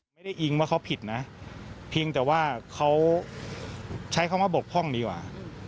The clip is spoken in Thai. อิงว่าเขาผิดนะเพียงแต่ว่าเขาใช้คำว่าบกพร่องดีกว่า